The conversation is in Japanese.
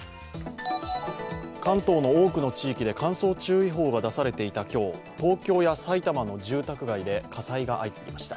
関東の多くの地域で乾燥注意報が出されていた今日、東京や埼玉の住宅街で火災が相次ぎました。